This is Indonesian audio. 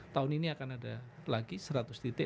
tahun ini akan ada lagi seratus titik